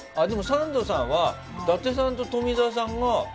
サンドさんは伊達さんと富澤さんが。